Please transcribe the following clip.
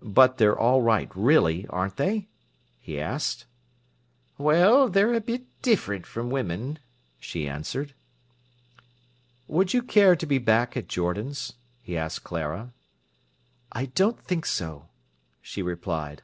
"But they're all right really, aren't they?" he asked. "Well, they're a bit different from women," she answered. "Would you care to be back at Jordan's?" he asked Clara. "I don't think so," she replied.